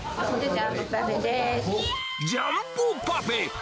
ジャンボパフェです。